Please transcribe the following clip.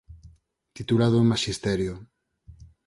Titulado en Maxisterio.